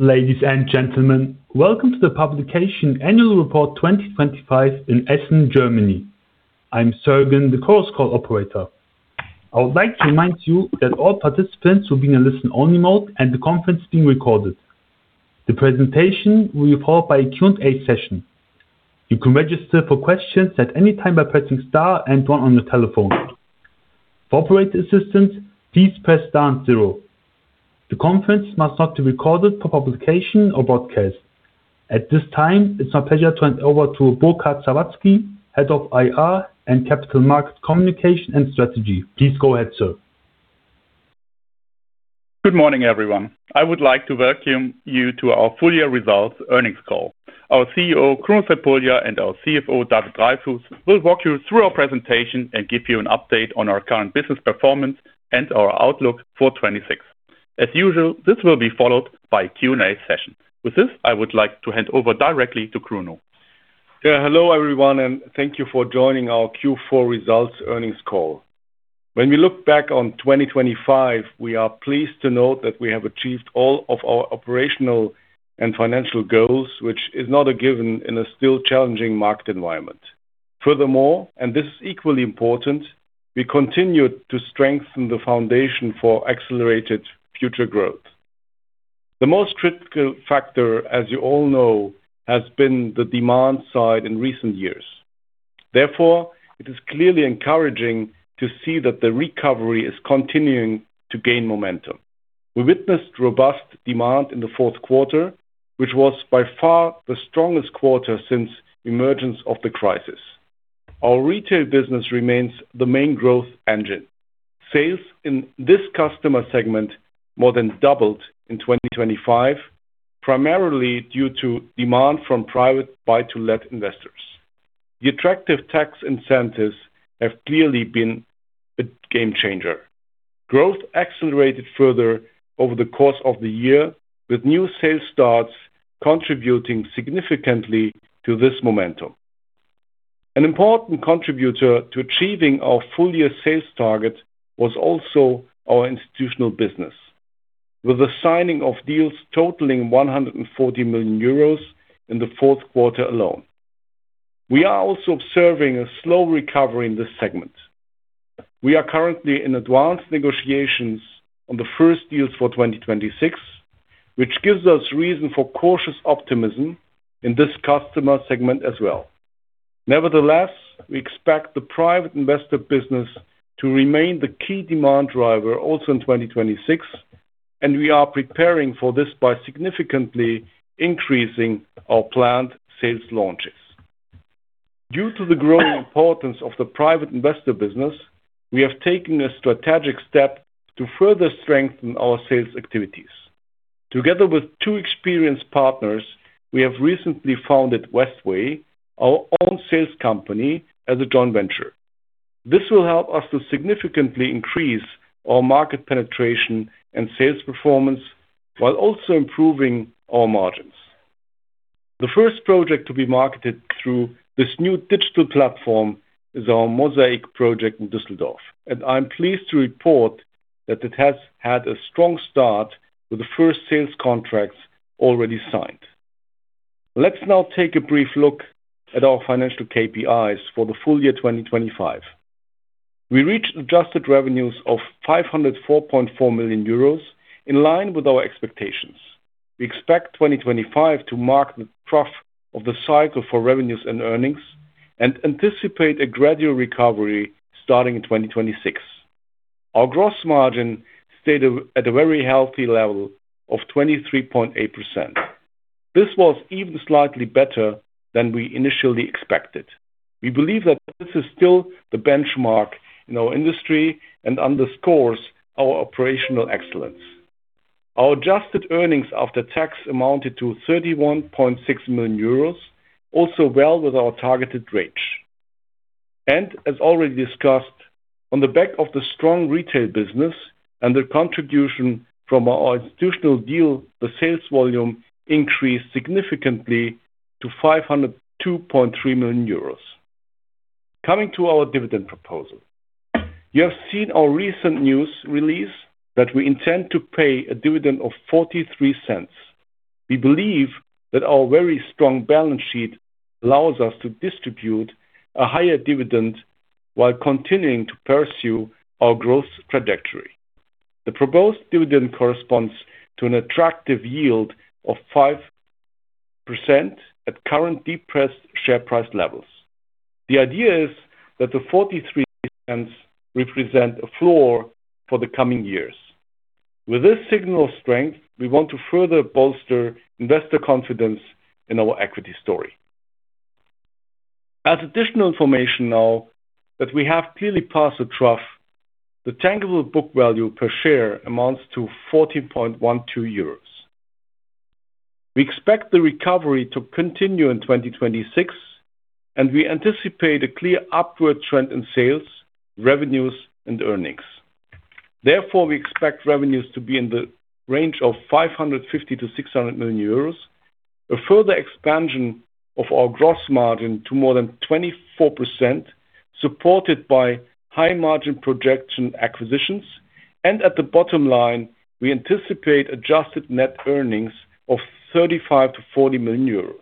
Ladies and gentlemen, welcome to the publication annual report 2025 in Essen, Germany. I'm Sergen, the Chorus Call operator. I would like to remind you that all participants will be in a listen-only mode and the conference is being recorded. The presentation will be followed by a Q&A session. You can register for questions at any time by pressing star and one on your telephone. For operator assistance, please press star and zero. The conference must not be recorded for publication or broadcast. At this time, it's my pleasure to hand over to Burkhard Sawazki, Head of IR & Capital Market Communication and Strategy. Please go ahead, sir. Good morning, everyone. I would like to welcome you to our full year results earnings call. Our CEO, Kruno Crepulja, and our CFO, David Dreyfus, will walk you through our presentation and give you an update on our current business performance and our outlook for 2026. As usual, this will be followed by a Q&A session. With this, I would like to hand over directly to Kruno. Yeah. Hello, everyone, and thank you for joining our Q4 results earnings call. When we look back on 2025, we are pleased to note that we have achieved all of our operational and financial goals, which is not a given in a still challenging market environment. Furthermore, and this is equally important, we continued to strengthen the foundation for accelerated future growth. The most critical factor, as you all know, has been the demand side in recent years. Therefore, it is clearly encouraging to see that the recovery is continuing to gain momentum. We witnessed robust demand in the fourth quarter, which was by far the strongest quarter since emergence of the crisis. Our retail business remains the main growth engine. Sales in this customer segment more than doubled in 2025, primarily due to demand from private buy-to-let investors. The attractive tax incentives have clearly been a game changer. Growth accelerated further over the course of the year, with new sales starts contributing significantly to this momentum. An important contributor to achieving our full year sales target was also our institutional business, with the signing of deals totaling 140 million euros in the fourth quarter alone. We are also observing a slow recovery in this segment. We are currently in advanced negotiations on the first deals for 2026, which gives us reason for cautious optimism in this customer segment as well. Nevertheless, we expect the private investor business to remain the key demand driver also in 2026, and we are preparing for this by significantly increasing our planned sales launches. Due to the growing importance of the private investor business, we have taken a strategic step to further strengthen our sales activities. Together with two experienced partners, we have recently founded Westway, our own sales company as a joint venture. This will help us to significantly increase our market penetration and sales performance while also improving our margins. The first project to be marketed through this new digital platform is our Mosaic project in Düsseldorf, and I'm pleased to report that it has had a strong start with the first sales contracts already signed. Let's now take a brief look at our financial KPIs for the full year 2025. We reached adjusted revenues of 504.4 million euros in line with our expectations. We expect 2025 to mark the trough of the cycle for revenues and earnings, and anticipate a gradual recovery starting in 2026. Our gross margin stayed at a very healthy level of 23.8%. This was even slightly better than we initially expected. We believe that this is still the benchmark in our industry and underscores our operational excellence. Our adjusted earnings after tax amounted to 31.6 million euros, also well within our targeted range. As already discussed, on the back of the strong retail business and the contribution from our institutional deal, the sales volume increased significantly to 502.3 million euros. Coming to our dividend proposal. You have seen our recent news release that we intend to pay a dividend of 0.43. We believe that our very strong balance sheet allows us to distribute a higher dividend while continuing to pursue our growth trajectory. The proposed dividend corresponds to an attractive yield of 5% at current depressed share price levels. The idea is that the 0.43 represent a floor for the coming years. With this signal of strength, we want to further bolster investor confidence in our equity story. As additional information now that we have clearly passed the trough, the tangible book value per share amounts to 14.12 euros. We expect the recovery to continue in 2026, and we anticipate a clear upward trend in sales, revenues and earnings. Therefore, we expect revenues to be in the range of 550 million-600 million euros. A further expansion of our gross margin to more than 24%, supported by high margin project acquisitions. At the bottom line, we anticipate adjusted net earnings of 35 million-40 million euros.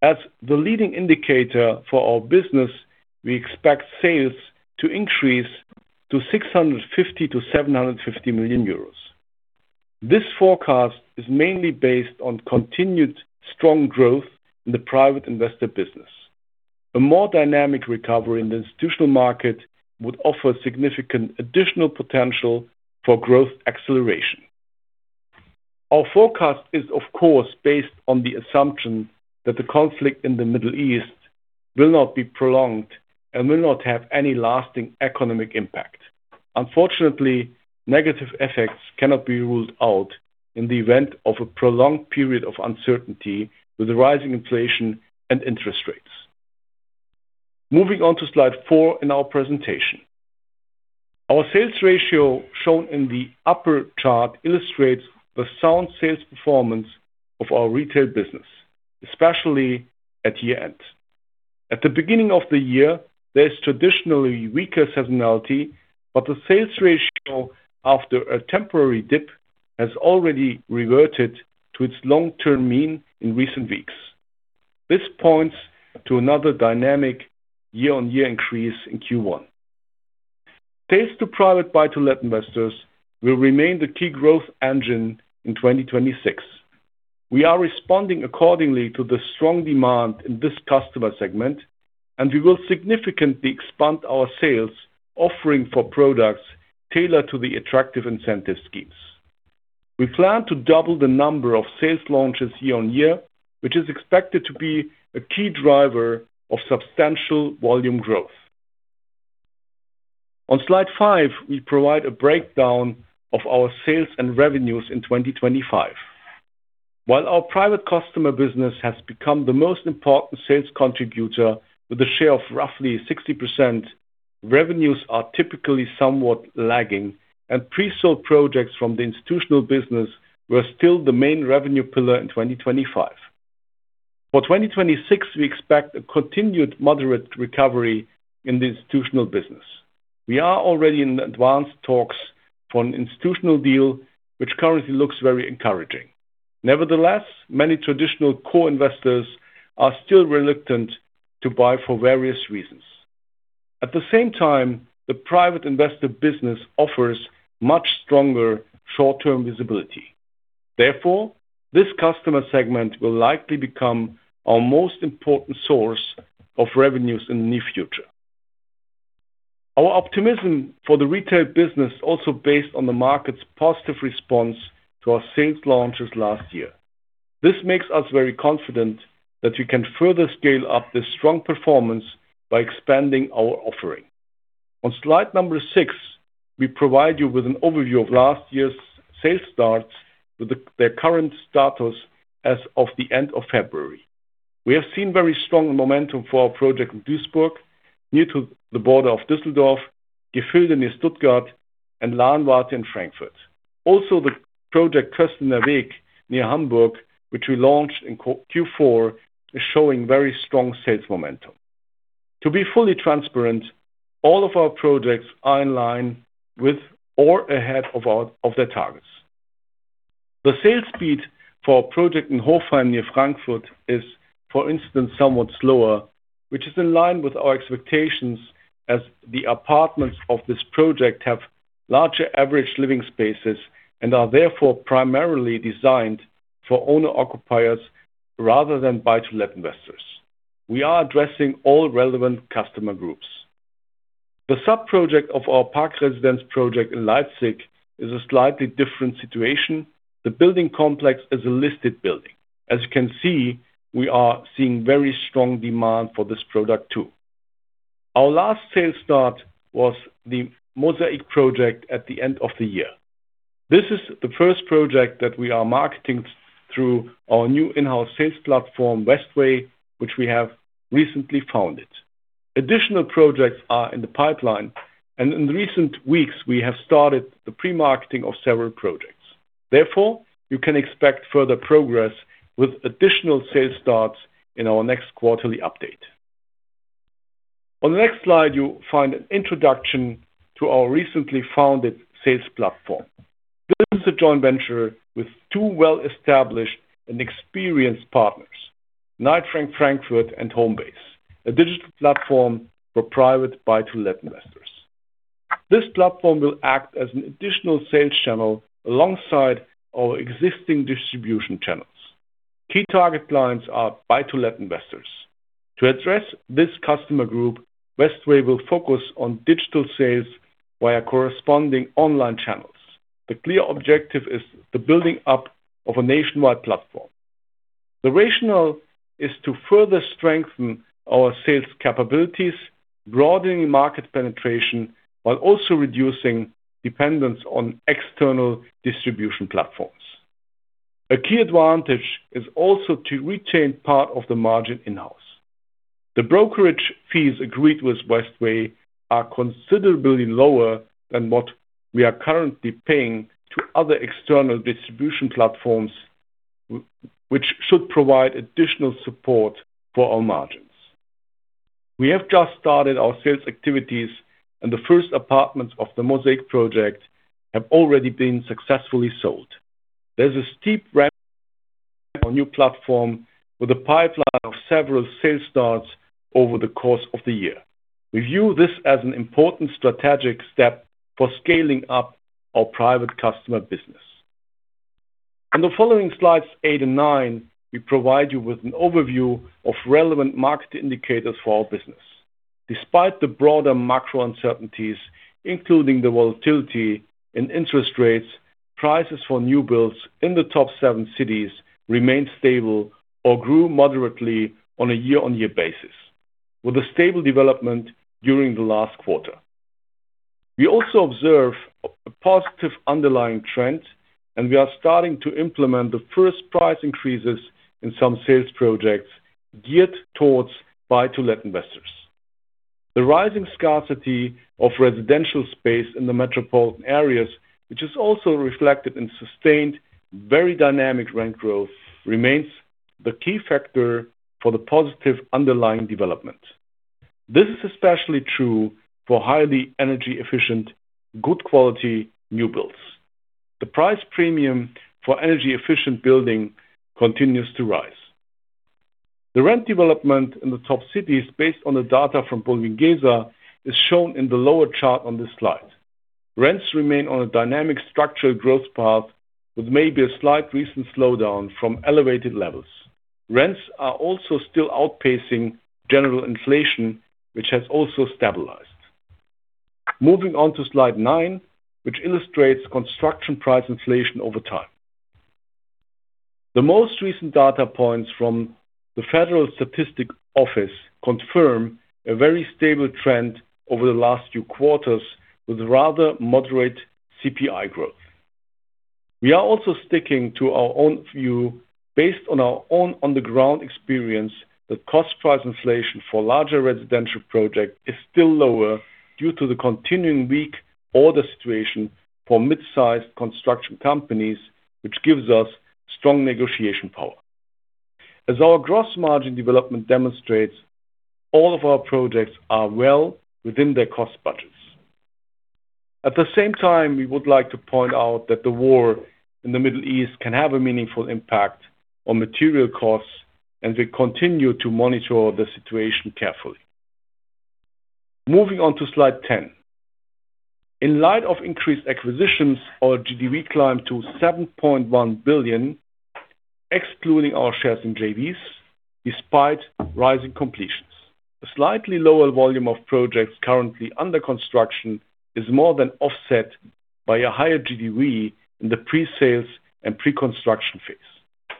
As the leading indicator for our business, we expect sales to increase to 650 million-750 million euros. This forecast is mainly based on continued strong growth in the private investor business. A more dynamic recovery in the institutional market would offer significant additional potential for growth acceleration. Our forecast is, of course, based on the assumption that the conflict in the Middle East will not be prolonged and will not have any lasting economic impact. Unfortunately, negative effects cannot be ruled out in the event of a prolonged period of uncertainty with the rising inflation and interest rates. Moving on to slide four in our presentation. Our sales ratio shown in the upper chart illustrates the sound sales performance of our retail business, especially at year-end. At the beginning of the year, there is traditionally weaker seasonality, but the sales ratio after a temporary dip has already reverted to its long-term mean in recent weeks. This points to another dynamic year-on-year increase in Q1. Sales to private buy-to-let investors will remain the key growth engine in 2026. We are responding accordingly to the strong demand in this customer segment, and we will significantly expand our sales offering for products tailored to the attractive incentive schemes. We plan to double the number of sales launches year on year, which is expected to be a key driver of substantial volume growth. On slide five, we provide a breakdown of our sales and revenues in 2025. While our private customer business has become the most important sales contributor with a share of roughly 60%, revenues are typically somewhat lagging, and pre-sold projects from the institutional business were still the main revenue pillar in 2025. For 2026, we expect a continued moderate recovery in the institutional business. We are already in advanced talks for an institutional deal which currently looks very encouraging. Nevertheless, many traditional core investors are still reluctant to buy for various reasons. At the same time, the private investor business offers much stronger short-term visibility. Therefore, this customer segment will likely become our most important source of revenues in the near future. Our optimism for the retail business also based on the market's positive response to our sales launches last year. This makes us very confident that we can further scale up this strong performance by expanding our offering. On slide number six, we provide you with an overview of last year's sales starts with their current status as of the end of February. We have seen very strong momentum for our project in Duisburg, near to the border of Düsseldorf, Gefilde near Stuttgart and Lahnwärter in Frankfurt. Also, the project Kösterweg near Hamburg, which we launched in Q4, is showing very strong sales momentum. To be fully transparent, all of our projects are in line with or ahead of their targets. The sales speed for our project in Hofheim near Frankfurt is, for instance, somewhat slower, which is in line with our expectations as the apartments of this project have larger average living spaces and are therefore primarily designed for owner-occupiers rather than buy-to-let investors. We are addressing all relevant customer groups. The sub-project of our Park Residence project in Leipzig is a slightly different situation. The building complex is a listed building. As you can see, we are seeing very strong demand for this product too. Our last sales start was the Mosaic project at the end of the year. This is the first project that we are marketing through our new in-house sales platform, Westway, which we have recently founded. Additional projects are in the pipeline, and in recent weeks we have started the pre-marketing of several projects. Therefore, you can expect further progress with additional sales starts in our next quarterly update. On the next slide, you find an introduction to our recently founded sales platform. This is a joint venture with two well-established and experienced partners, Knight Frank Frankfurt and Homebase, a digital platform for private buy-to-let investors. This platform will act as an additional sales channel alongside our existing distribution channels. Key target clients are buy-to-let investors. To address this customer group, Westway will focus on digital sales via corresponding online channels. The clear objective is the building up of a nationwide platform. The rationale is to further strengthen our sales capabilities, broadening market penetration while also reducing dependence on external distribution platforms. A key advantage is also to retain part of the margin in-house. The brokerage fees agreed with Westway are considerably lower than what we are currently paying to other external distribution platforms, which should provide additional support for our margins. We have just started our sales activities, and the first apartments of the Mosaic project have already been successfully sold. There's a steep ramp-up for our new platform with a pipeline of several sales starts over the course of the year. We view this as an important strategic step for scaling up our private customer business. On the following slides eight and nine, we provide you with an overview of relevant market indicators for our business. Despite the broader macro uncertainties, including the volatility in interest rates, prices for new builds in the top seven cities remained stable or grew moderately on a year-on-year basis, with a stable development during the last quarter. We also observe a positive underlying trend, and we are starting to implement the first price increases in some sales projects geared towards buy-to-let investors. The rising scarcity of residential space in the metropolitan areas, which is also reflected in sustained very dynamic rent growth, remains the key factor for the positive underlying development. This is especially true for highly energy efficient, good quality new builds. The price premium for energy efficient building continues to rise. The rent development in the top cities, based on the data from Bulwiengesa, is shown in the lower chart on this slide. Rents remain on a dynamic structural growth path, with maybe a slight recent slowdown from elevated levels. Rents are also still outpacing general inflation, which has also stabilized. Moving on to slide nine, which illustrates construction price inflation over time. The most recent data points from the Federal Statistical Office confirm a very stable trend over the last few quarters with rather moderate CPI growth. We are also sticking to our own view based on our own on the ground experience that cost price inflation for larger residential projects is still lower due to the continuing weak order situation for mid-sized construction companies, which gives us strong negotiation power. As our gross margin development demonstrates, all of our projects are well within their cost budgets. At the same time, we would like to point out that the war in the Middle East can have a meaningful impact on material costs, and we continue to monitor the situation carefully. Moving on to slide 10. In light of increased acquisitions, our GDV climbed to 7.1 billion, excluding our shares in JVs despite rising completions. The slightly lower volume of projects currently under construction is more than offset by a higher GDV in the presales and pre-construction phase.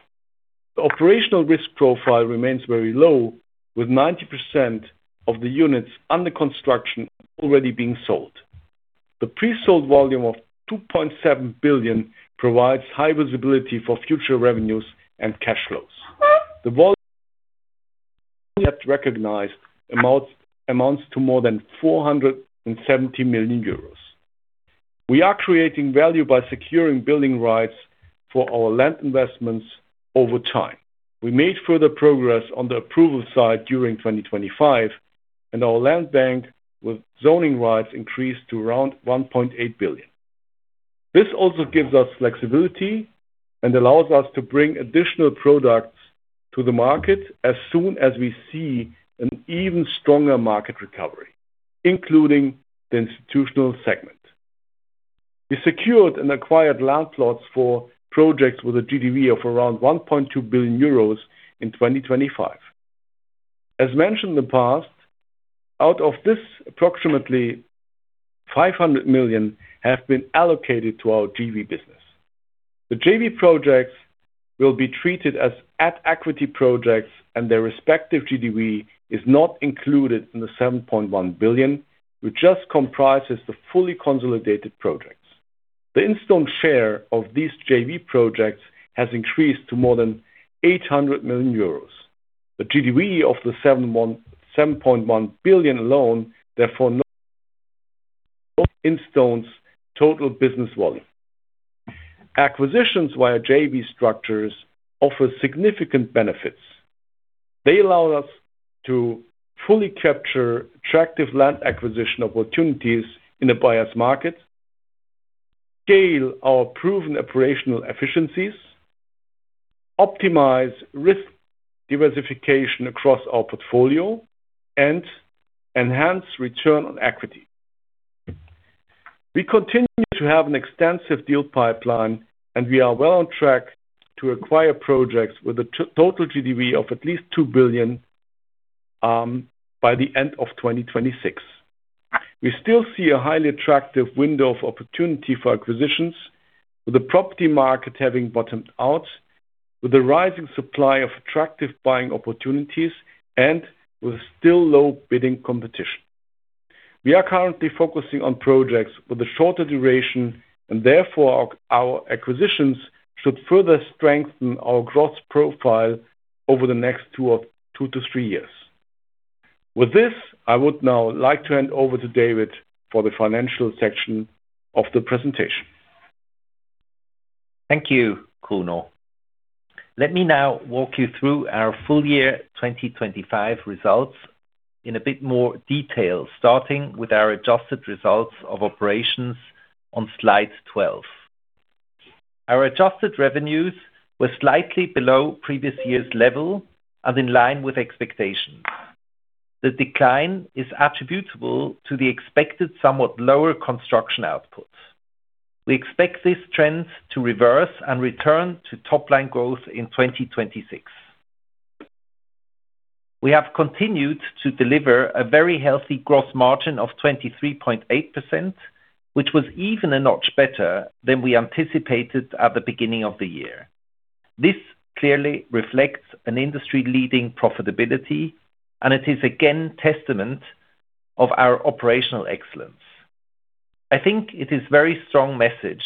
The operational risk profile remains very low, with 90% of the units under construction already being sold. The pre-sold volume of 2.7 billion provides high visibility for future revenues and cash flows. The volume recognized amounts to more than 470 million euros. We are creating value by securing building rights for our land investments over time. We made further progress on the approval side during 2025, and our land bank with zoning rights increased to around 1.8 billion. This also gives us flexibility and allows us to bring additional products to the market as soon as we see an even stronger market recovery, including the institutional segment. We secured and acquired land plots for projects with a GDV of around 1.2 billion euros in 2025. As mentioned in the past, out of this approximately 500 million have been allocated to our JV business. The JV projects will be treated as at equity projects, and their respective GDV is not included in the 7.1 billion, which just comprises the fully consolidated projects. The Instone share of these JV projects has increased to more than 800 million euros. The GDV of the 7.1 billion alone. Therefore, not Instone's total business volume. Acquisitions via JV structures offer significant benefits. They allow us to fully capture attractive land acquisition opportunities in a buyer's market, scale our proven operational efficiencies, optimize risk diversification across our portfolio, and enhance return on equity. We continue to have an extensive deal pipeline, and we are well on track to acquire projects with a total GDV of at least 2 billion by the end of 2026. We still see a highly attractive window of opportunity for acquisitions with the property market having bottomed out, with the rising supply of attractive buying opportunities, and with still low bidding competition. We are currently focusing on projects with a shorter duration and therefore our acquisitions should further strengthen our growth profile over the next two to three years. With this, I would now like to hand over to David for the financial section of the presentation. Thank you, Kruno. Let me now walk you through our full year 2025 results in a bit more detail, starting with our adjusted results of operations on slide 12. Our adjusted revenues were slightly below previous year's level and in line with expectations. The decline is attributable to the expected, somewhat lower construction output. We expect this trend to reverse and return to top line growth in 2026. We have continued to deliver a very healthy gross margin of 23.8%, which was even a notch better than we anticipated at the beginning of the year. This clearly reflects an industry-leading profitability, and it is again testament of our operational excellence. I think it is very strong message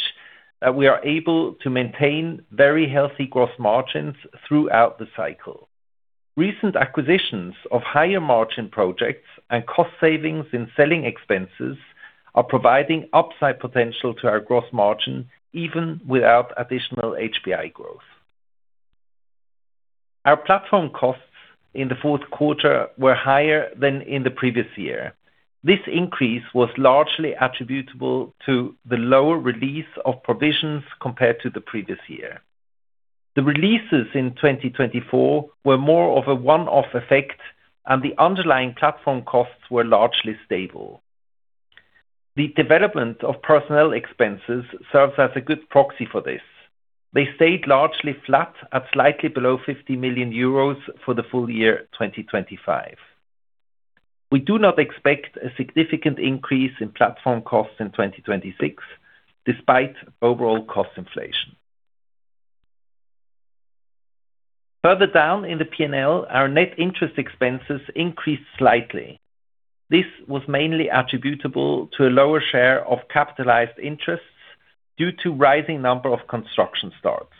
that we are able to maintain very healthy gross margins throughout the cycle. Recent acquisitions of higher margin projects and cost savings in selling expenses are providing upside potential to our gross margin even without additional HPI growth. Our platform costs in the fourth quarter were higher than in the previous year. This increase was largely attributable to the lower release of provisions compared to the previous year. The releases in 2024 were more of a one-off effect and the underlying platform costs were largely stable. The development of personnel expenses serves as a good proxy for this. They stayed largely flat at slightly below 50 million euros for the full year 2025. We do not expect a significant increase in platform costs in 2026 despite overall cost inflation. Further down in the P&L our net interest expenses increased slightly. This was mainly attributable to a lower share of capitalized interests due to rising number of construction starts.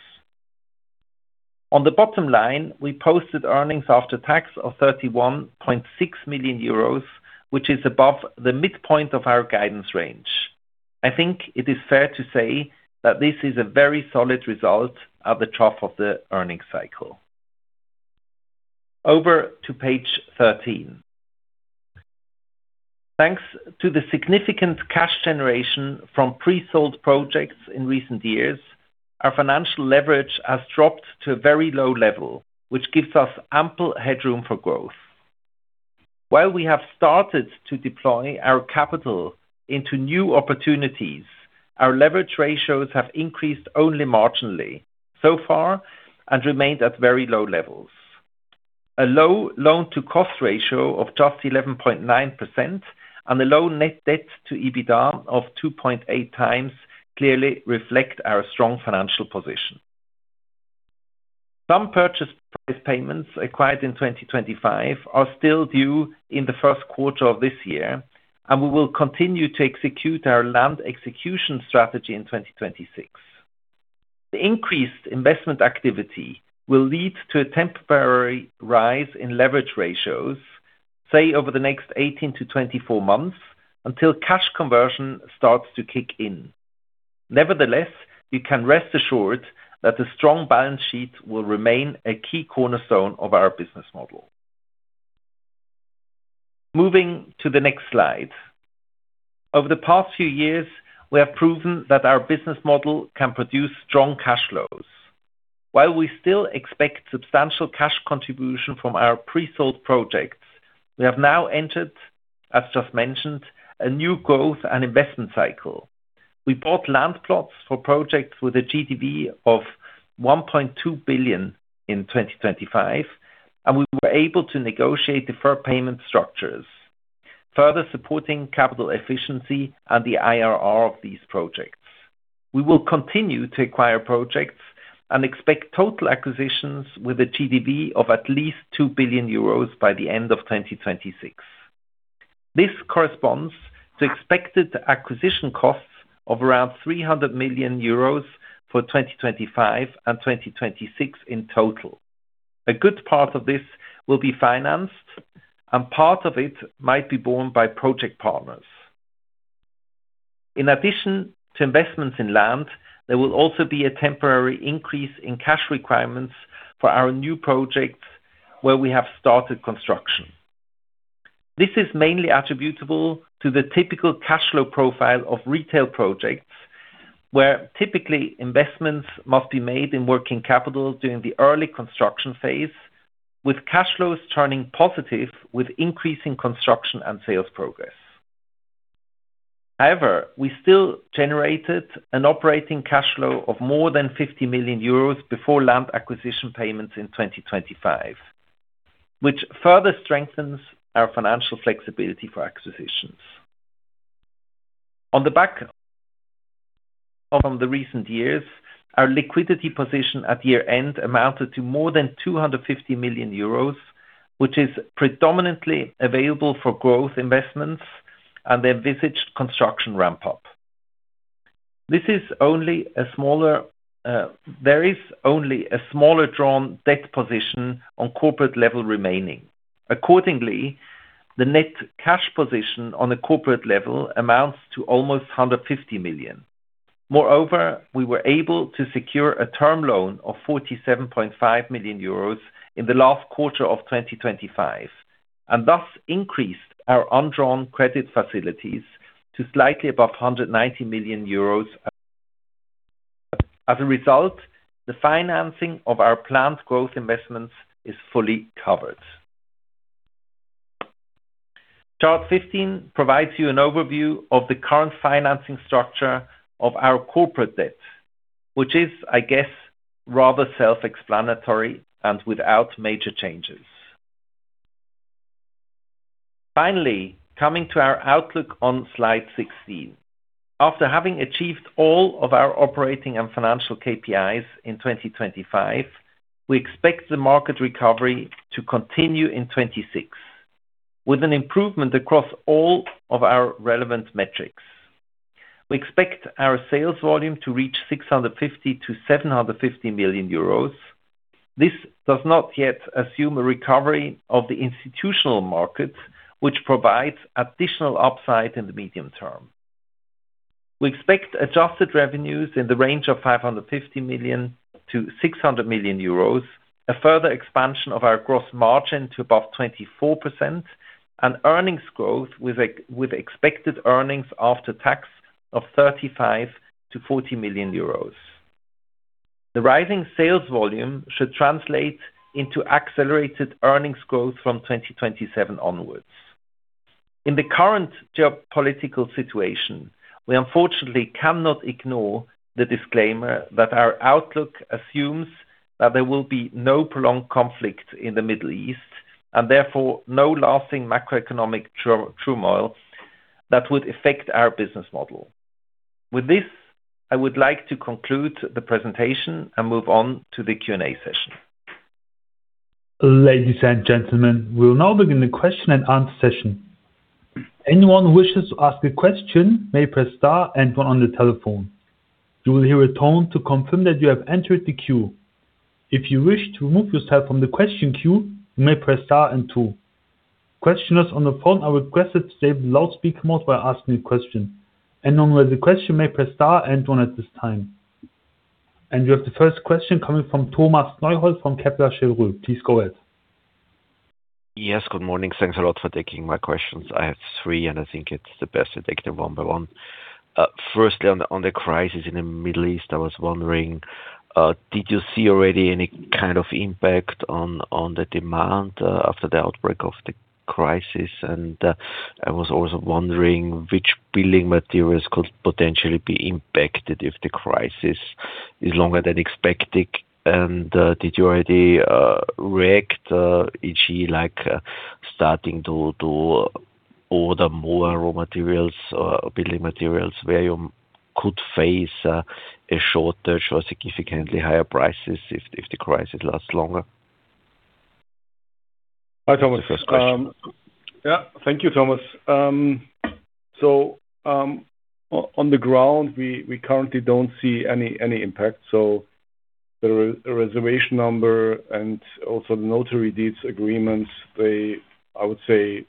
On the bottom line, we posted earnings after tax of 31.6 million euros, which is above the midpoint of our guidance range. I think it is fair to say that this is a very solid result at the trough of the earnings cycle. Over to page 13. Thanks to the significant cash generation from pre-sold projects in recent years, our financial leverage has dropped to a very low level, which gives us ample headroom for growth. While we have started to deploy our capital into new opportunities, our leverage ratios have increased only marginally so far and remained at very low levels. A low loan to cost ratio of just 11.9% and a low net debt to EBITDA of 2.8 times clearly reflect our strong financial position. Some purchase price payments acquired in 2025 are still due in the first quarter of this year, and we will continue to execute our land execution strategy in 2026. The increased investment activity will lead to a temporary rise in leverage ratios, say over the next 18-24 months, until cash conversion starts to kick in. Nevertheless, you can rest assured that a strong balance sheet will remain a key cornerstone of our business model. Moving to the next slide. Over the past few years, we have proven that our business model can produce strong cash flows. While we still expect substantial cash contribution from our pre-sold projects, we have now entered, as just mentioned, a new growth and investment cycle. We bought land plots for projects with a GDV of 1.2 billion in 2025, and we were able to negotiate deferred payment structures, further supporting capital efficiency and the IRR of these projects. We will continue to acquire projects and expect total acquisitions with a GDV of at least 2 billion euros by the end of 2026. This corresponds to expected acquisition costs of around 300 million euros for 2025 and 2026 in total. A good part of this will be financed, and part of it might be borne by project partners. In addition to investments in land, there will also be a temporary increase in cash requirements for our new projects where we have started construction. This is mainly attributable to the typical cash flow profile of retail projects, where typically investments must be made in working capital during the early construction phase, with cash flows turning positive with increasing construction and sales progress. However, we still generated an operating cash flow of more than 50 million euros before land acquisition payments in 2025, which further strengthens our financial flexibility for acquisitions. On the back of the recent years, our liquidity position at year-end amounted to more than 250 million euros, which is predominantly available for growth investments and the envisaged construction ramp-up. There is only a smaller drawn debt position on corporate level remaining. Accordingly, the net cash position on a corporate level amounts to almost 150 million. Moreover, we were able to secure a term loan of 47.5 million euros in the last quarter of 2025, and thus increased our undrawn credit facilities to slightly above 190 million euros. As a result, the financing of our planned growth investments is fully covered. Chart 15 provides you an overview of the current financing structure of our corporate debt, which is, I guess, rather self-explanatory and without major changes. Finally, coming to our outlook on slide 16. After having achieved all of our operating and financial KPIs in 2025, we expect the market recovery to continue in 2026, with an improvement across all of our relevant metrics. We expect our sales volume to reach 650 million-750 million euros. This does not yet assume a recovery of the institutional market, which provides additional upside in the medium term. We expect adjusted revenues in the range of 550 million-600 million euros, a further expansion of our gross margin to above 24%, and earnings growth with expected earnings after tax of 35 million-40 million euros. The rising sales volume should translate into accelerated earnings growth from 2027 onwards. In the current geopolitical situation, we unfortunately cannot ignore the disclaimer that our outlook assumes that there will be no prolonged conflict in the Middle East, and therefore no lasting macroeconomic turmoil that would affect our business model. With this, I would like to conclude the presentation and move on to the Q&A session. Ladies and gentlemen, we will now begin the question and answer session. Anyone who wishes to ask a question may press star and one on the telephone. You will hear a tone to confirm that you have entered the queue. If you wish to remove yourself from the question queue, you may press star and two. Questioners on the phone are requested to stay in loudspeaker mode while asking a question. Anyone with a question may press star and one at this time. We have the first question coming from Thomas Neuhold from Kepler Cheuvreux. Please go ahead. Yes, good morning. Thanks a lot for taking my questions. I have three, and I think it's the best to take them one by one. Firstly, on the crisis in the Middle East. I was wondering, did you see already any kind of impact on the demand after the outbreak of the crisis? I was also wondering which building materials could potentially be impacted if the crisis is longer than expected. Did you already react? E.g., like, starting to order more raw materials or building materials where you could face a shortage or significantly higher prices if the crisis lasts longer? Hi, Thomas. The first question. Yeah. Thank you, Thomas. On the ground, we currently don't see any impact. The reservation number and also the notary deeds agreements, I would say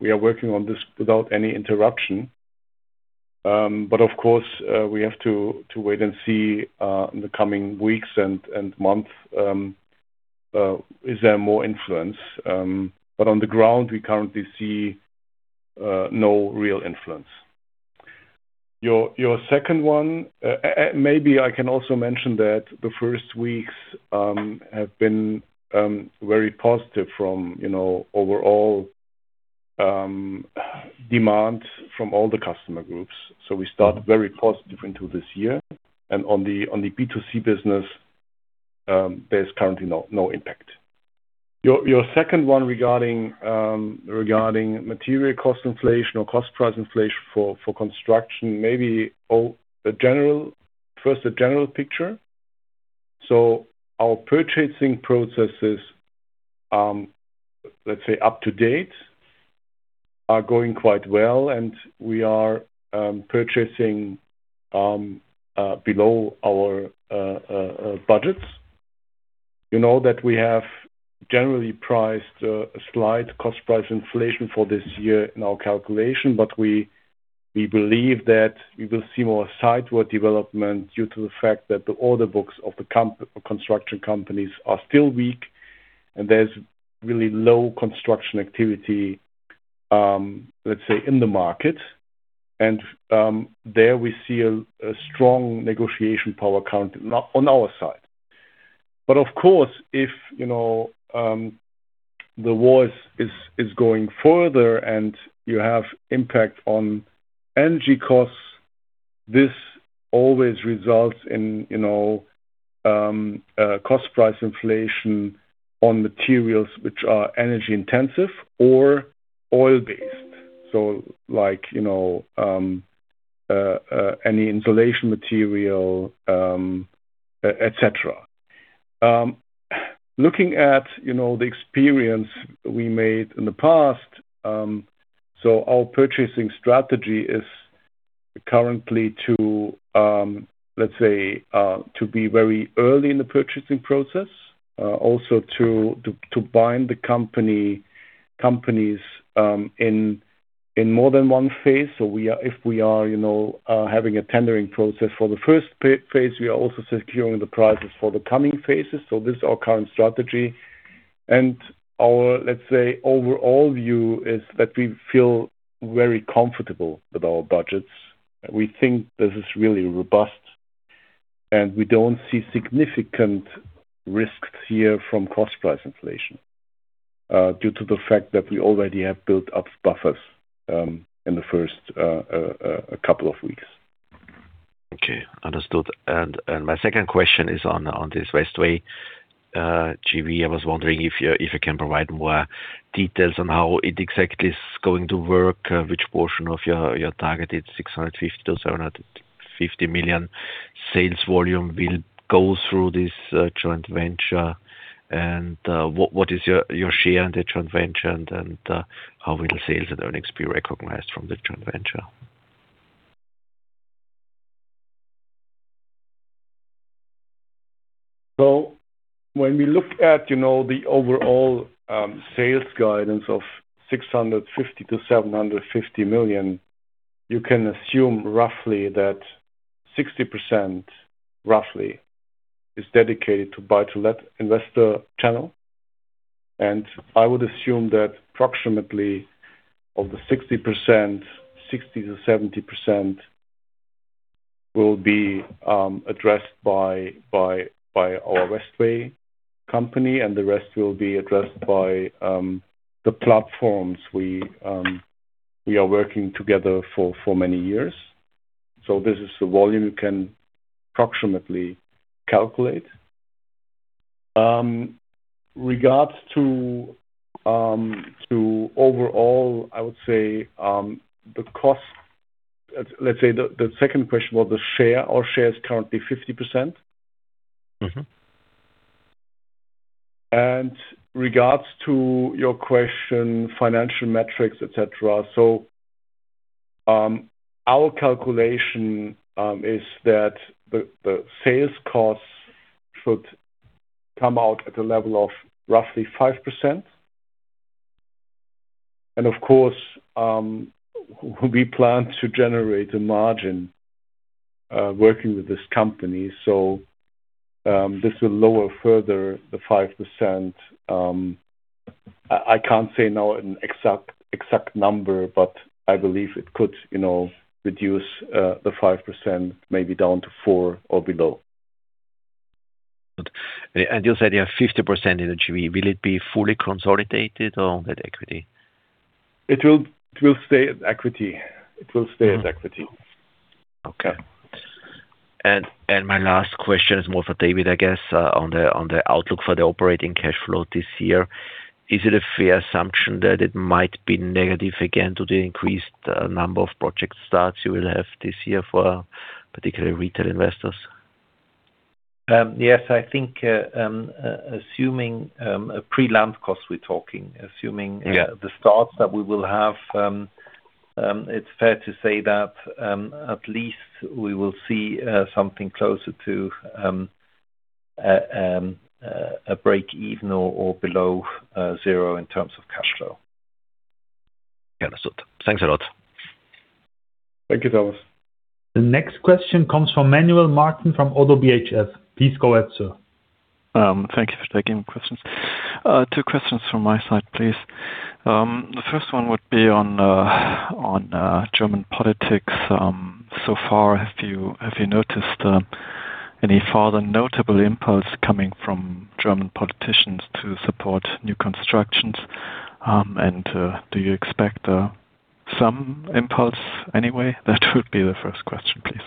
we are working on this without any interruption. Of course, we have to wait and see in the coming weeks and months is there more influence. On the ground we currently see no real influence. Your second one, and maybe I can also mention that the first weeks have been very positive from, you know, overall demand from all the customer groups. We start very positive into this year. On the B2C business, there's currently no impact. Your second one regarding material cost inflation or cost price inflation for construction, first the general picture. Our purchasing processes, let's say up to date, are going quite well and we are purchasing below our budgets. You know that we have generally priced in a slight cost price inflation for this year in our calculation, but we believe that we will see more sideways development due to the fact that the order books of the construction companies are still weak and there's really low construction activity, let's say in the market. There we see a strong negotiation power currently on our side. Of course, if, you know, the war is going further and you have impact on energy costs, this always results in, you know, cost price inflation on materials which are energy intensive or oil based. So like, you know, any insulation material, et cetera. Looking at, you know, the experience we made in the past, our purchasing strategy is currently to, let's say, to be very early in the purchasing process, also to bind the companies in more than one phase. If we are, you know, having a tendering process for the first phase, we are also securing the prices for the coming phases. This is our current strategy. Our, let's say, overall view is that we feel very comfortable with our budgets. We think this is really robust, and we don't see significant risks here from cost price inflation, due to the fact that we already have built up buffers, in the first couple of weeks. Okay. Understood. My second question is on this Westway JV. I was wondering if you can provide more details on how it exactly is going to work, which portion of your targeted 650 million-750 million sales volume will go through this joint venture. What is your share in the joint venture and how will sales and earnings be recognized from the joint venture? When we look at, you know, the overall, sales guidance of 650 million-750 million, you can assume roughly that 60%, roughly, is dedicated to buy to let investor channel. I would assume that approximately of the 60%, 60%-70% will be addressed by our Westway company, and the rest will be addressed by the platforms we are working together for many years. This is the volume you can approximately calculate. Regards to overall, I would say, the cost. Let's say the second question was the share. Our share is currently 50%. Mm-hmm. In regards to your question, financial metrics, et cetera. Our calculation is that the sales costs should come out at a level of roughly 5%. Of course, we plan to generate a margin working with this company. This will lower further the 5%. I can't say now an exact number, but I believe it could, you know, reduce the 5% maybe down to 4% or below. You said you have 50% in the JV. Will it be fully consolidated or at equity? It will stay as equity. It will stay as equity. Okay. My last question is more for David, I guess, on the outlook for the operating cash flow this year. Is it a fair assumption that it might be negative again due to increased number of project starts you will have this year for particularly retail investors? Yes, I think assuming a pre-land cost we're talking. Yeah. It's fair to say that at least we will see something closer to a break even or below zero in terms of cash flow. Understood. Thanks a lot. Thank you, Thomas. The next question comes from Manuel Martin from ODDO BHF. Please go ahead, sir. Thank you for taking questions. Two questions from my side, please. The first one would be on German politics. So far, have you noticed any further notable impulse coming from German politicians to support new constructions? Do you expect some impulse anyway? That would be the first question, please.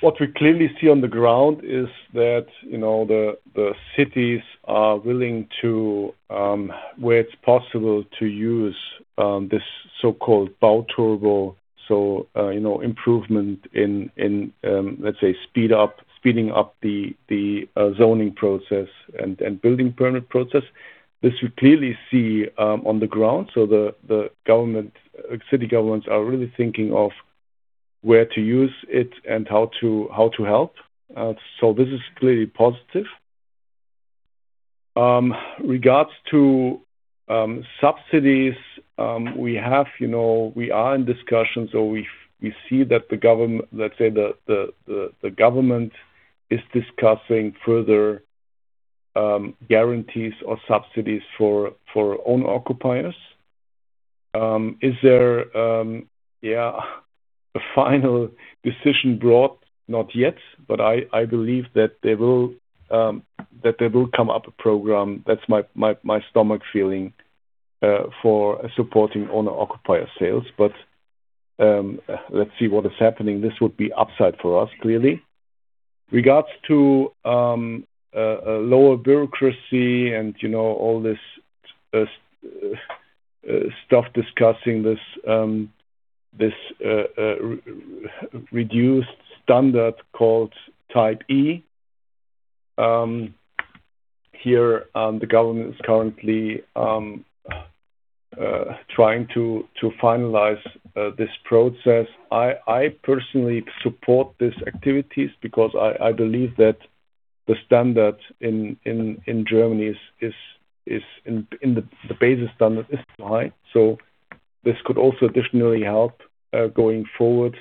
What we clearly see on the ground is that, you know, the cities are willing to, where it's possible to use, this so-called Bau-Turbo. You know, improvement in, let's say speeding up the zoning process and building permit process. This we clearly see on the ground. The city governments are really thinking of where to use it and how to help. This is clearly positive. Regards to subsidies, we have, you know, we are in discussions or we see that the government, let's say the government is discussing further guarantees or subsidies for own occupiers. Is there, yeah, a final decision brought? Not yet, I believe that they will come up with a program. That's my gut feeling for supporting owner occupier sales. Let's see what is happening. This would be upside for us, really. Regarding lower bureaucracy and, you know, all this stuff discussing this reduced standard called Typ E. Here the government is currently trying to finalize this process. I personally support these activities because I believe that the standard in Germany, in the basic standard, is high. This could also additionally help going forward.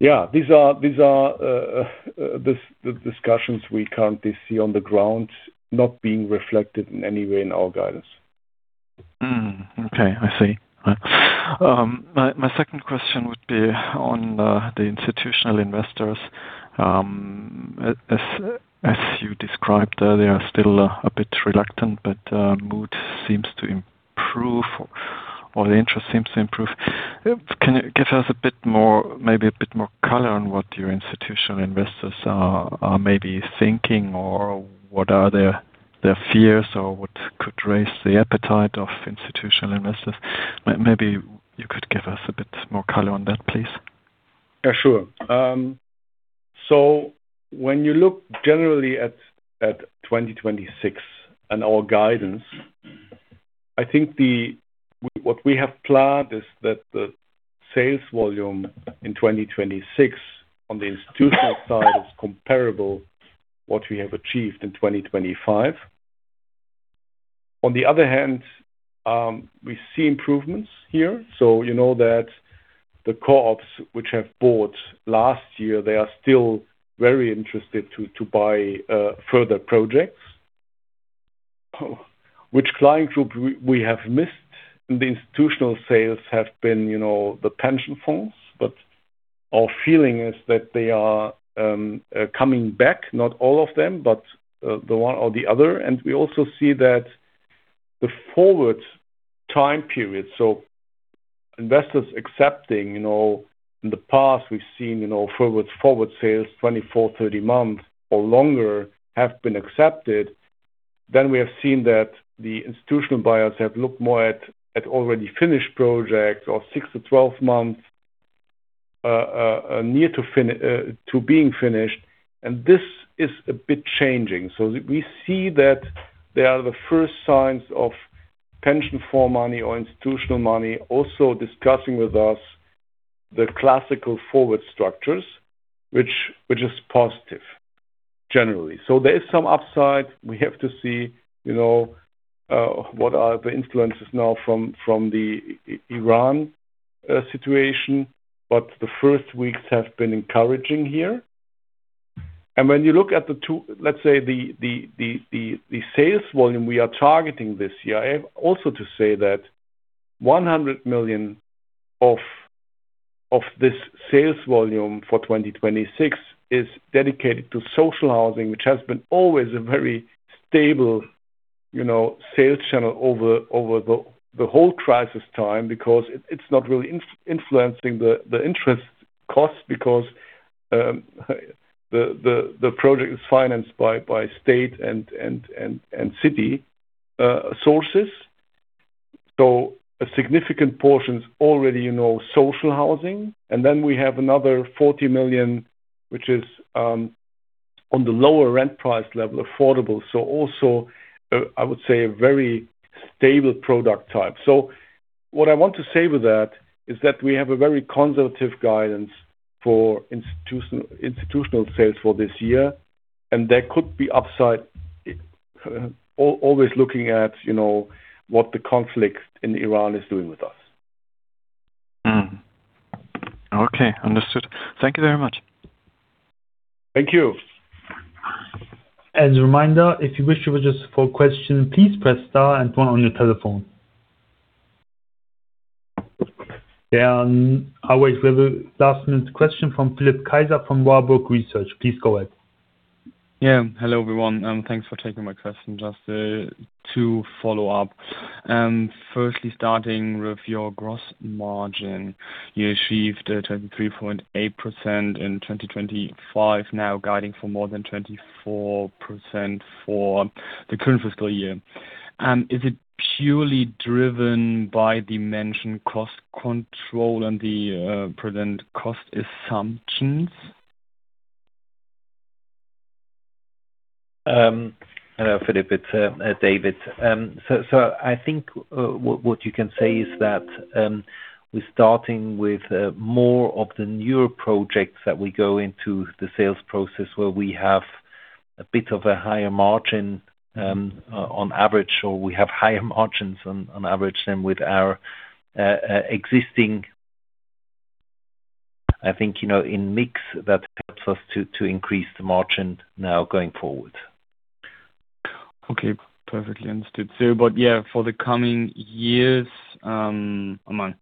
Yeah. These are the discussions we currently see on the ground, not being reflected in any way in our guidance. Mm-hmm. Okay. I see. My second question would be on the institutional investors. As you described, they are still a bit reluctant, but mood seems to improve or the interest seems to improve. Can you give us a bit more, maybe a bit more color on what your institutional investors are maybe thinking, or what are their fears or what could raise the appetite of institutional investors? Maybe you could give us a bit more color on that, please. Yeah, sure. When you look generally at 2026 and our guidance, I think what we have planned is that the sales volume in 2026 on the institutional side is comparable what we have achieved in 2025. On the other hand, we see improvements here. You know that the co-ops which have bought last year, they are still very interested to buy further projects. Which client group we have missed in the institutional sales have been, you know, the pension funds. Our feeling is that they are coming back, not all of them, but the one or the other. We also see that the forward time period. Investors accepting, you know, in the past we've seen, you know, forward sales 24, 30 months or longer have been accepted. We have seen that the institutional buyers have looked more at already finished projects or 6-12 months near to being finished. This is a bit changing. We see that there are the first signs of pension fund money or institutional money also discussing with us the classical forward structures, which is positive generally. There is some upside. We have to see, you know, what are the influences now from the Iran situation. The first weeks have been encouraging here. When you look at the two—let's say the sales volume we are targeting this year, I have also to say that 100 million of this sales volume for 2026 is dedicated to social housing, which has been always a very stable, you know, sales channel over the whole crisis time because it's not really influencing the interest costs because the project is financed by state and city sources. A significant portion is already, you know, social housing. Then we have another 40 million, which is on the lower rent price level, affordable. Also, I would say a very stable product type. What I want to say with that is that we have a very conservative guidance for institutional sales for this year, and there could be upside, always looking at, you know, what the conflict in Iran is doing with us. Okay. Understood. Thank you very much. Thank you. As a reminder, if you wish to register for a question, please press star and one on your telephone. We have a last-minute question from Philipp Kaiser from Warburg Research. Please go ahead. Yeah. Hello, everyone, thanks for taking my question. Just to follow up. Firstly, starting with your gross margin. You achieved 23.8% in 2025, now guiding for more than 24% for the current fiscal year. Is it purely driven by the mentioned cost control and the present cost assumptions? Hello, Philipp. It's David. I think what you can say is that we're starting with more of the newer projects that we go into the sales process where we have a bit of a higher margin on average, or we have higher margins on average than with our existing. I think, you know, in mix, that helps us to increase the margin now going forward. Okay. Perfectly understood. For the coming years, EBITDA margin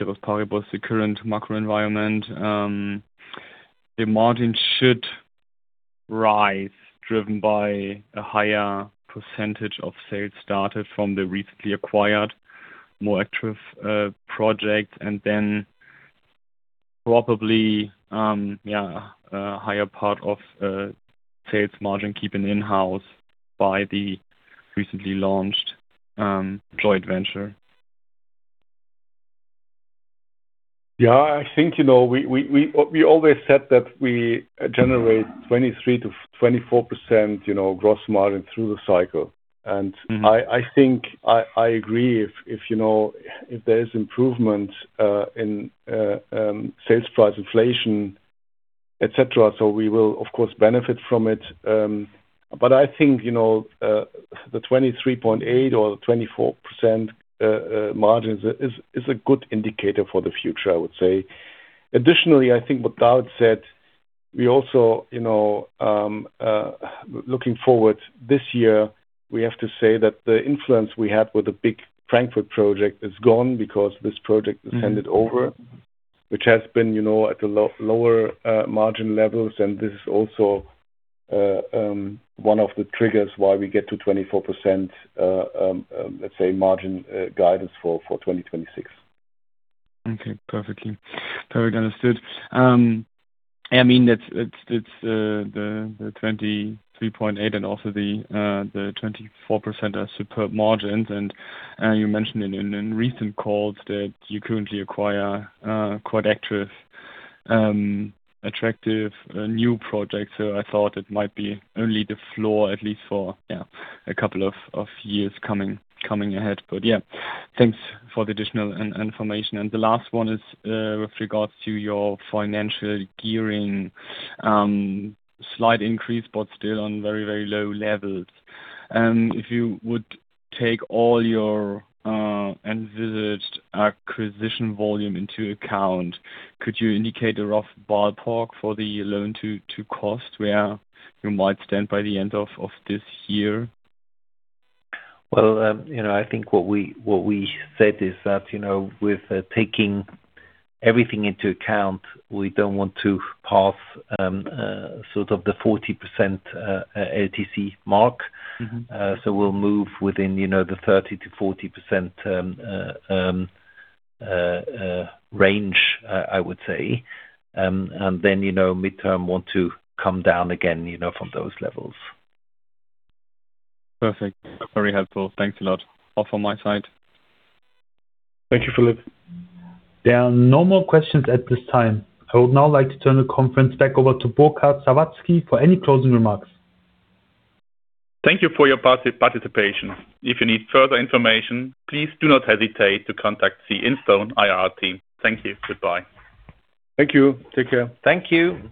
was probably both the current macro environment, the margin should rise driven by a higher percentage of sales started from the recently acquired Mosaic project and then probably, a higher part of sales margin keeping in-house by the recently launched joint venture. Yeah, I think, you know, we always said that we generate 23%-24% gross margin through the cycle. I think I agree if, you know, if there is improvement in sales price inflation, etc. We will of course benefit from it. I think, you know, the 23.8 or the 24% margin is a good indicator for the future, I would say. Additionally, I think what Kruno Crepulja said, we also, you know, looking forward this year, we have to say that the influence we had with the big Frankfurt project is gone because this project is handed over, which has been, you know, at a lower margin levels. This is also one of the triggers why we get to 24%, let's say margin guidance for 2026. Okay. Perfectly understood. I mean, it's the 23.8% and also the 24% are superb margins. You mentioned in recent calls that you currently acquire quite actively attractive new projects. I thought it might be only the floor, at least for a couple of years coming ahead. Thanks for the additional information. The last one is with regards to your financial gearing, slight increase, but still on very low levels. If you would take all your envisaged acquisition volume into account, could you indicate a rough ballpark for the loan to cost where you might stand by the end of this year? Well, you know, I think what we said is that, you know, with taking everything into account, we don't want to pass sort of the 40% LTC mark. Mm-hmm. We'll move within, you know, the 30%-40% range, I would say. Midterm want to come down again, you know, from those levels. Perfect. Very helpful. Thanks a lot. All from my side. Thank you, Philipp. There are no more questions at this time. I would now like to turn the conference back over to Burkhard Sawazki for any closing remarks. Thank you for your participation. If you need further information, please do not hesitate to contact the Instone IR team. Thank you. Goodbye. Thank you. Take care. Thank you.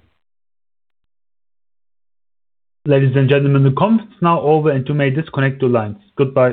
Ladies and gentlemen, the conference now over and you may disconnect your lines. Goodbye.